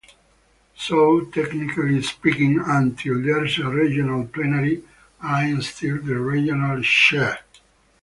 So technically speaking, until there's a regional plenary, I'm still the regional chair.